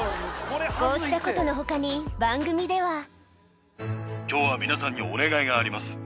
こうしたことのほかに、きょうは皆さんにお願いがあります。